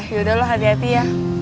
yaudah lo hati hati ya